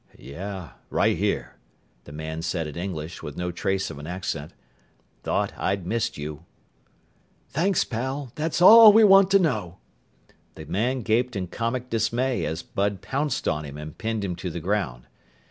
"Yeah, right here," the man said in English with no trace of an accent. "Thought I'd missed you." "Thanks, pal that's all we want to know!" The man gaped in comic dismay as Bud pounced on him and pinned him to the ground.